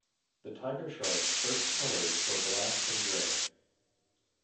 The Tiger Sharks' first colors were black and gray.